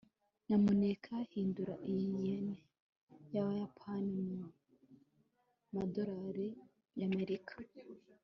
nyamuneka hindura iyi yen yayapani mumadolari ya amerika